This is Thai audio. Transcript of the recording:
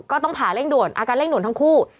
ก็ต้องผ่าเร่งด่วนอาการเร่งด่วนทั้งคู่